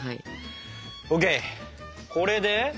これで？